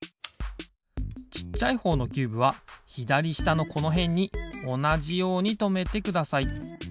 ちっちゃいほうのキューブはひだりしたのこのへんにおなじようにとめてください。